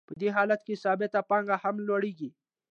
په دې حالت کې ثابته پانګه هم لوړېږي